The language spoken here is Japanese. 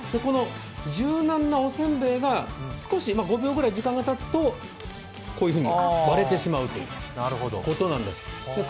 柔軟なおせんべいが少し５秒ぐらい時間がたつと、割れてしまうということなんです。